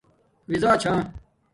راضآ چھا